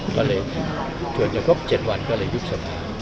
ก็เลยจุดนี้ครบ๗วันก็เลยยุคสภา